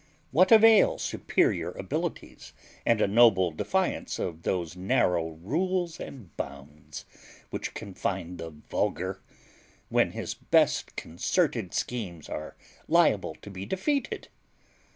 What avail superior abilities, and a noble defiance of those narrow rules and bounds which confine the vulgar, when his best concerted schemes are liable to be defeated!